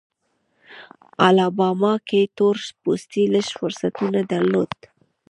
الاباما کې تور پوستي لږ فرصتونه درلودل.